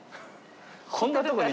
こんなとこに。